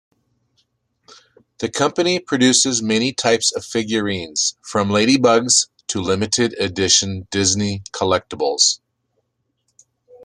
The company produces many types of figurines from ladybugs to limited-edition Disney collectibles.